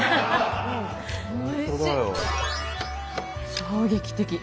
衝撃的。